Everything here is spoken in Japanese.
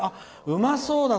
うまそうだ！